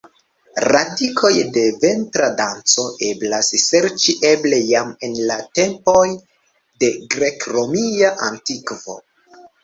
Radikoj de ventra danco eblas serĉi eble jam en la tempoj de grek-romia antikvo.